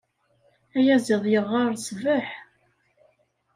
Ayaziḍ yeɣɣar ṣṣbeḥ.